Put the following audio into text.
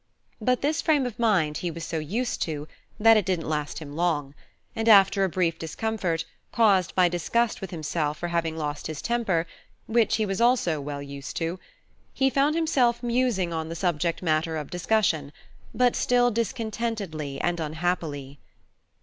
But this frame of mind he was so used to, that it didn't last him long, and after a brief discomfort, caused by disgust with himself for having lost his temper (which he was also well used to), he found himself musing on the subject matter of discussion, but still discontentedly and unhappily.